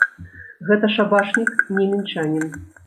Гэта шабашнік, не мінчанін.